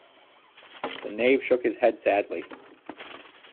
The Knave shook his head sadly.